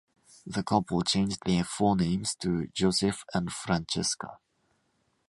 The couple changed their forenames to Josef and Franceska.